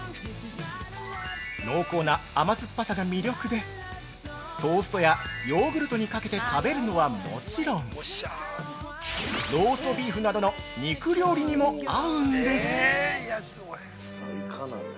濃厚な甘酸っぱさが魅力で、トーストやヨーグルトにかけて食べるのはもちろん、ローストビーフなどの肉料理にも合うんです。